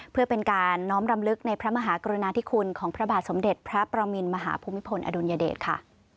เพื่อเป็นการน้อมรำลึกในพระมหากรุณาธิคุณของพระบาทสมเด็จพระประมินมหาภูมิพลอดุลยเดชค่ะ